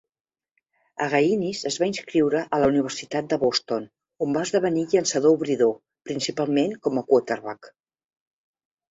Aggainis es va inscriure a la Universitat de Boston, on va esdevenir llançador obridor, principalment com a quarterback.